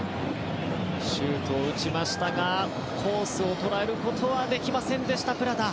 シュートを打ちましたがコースを捉えることはできませんでした、プラタ。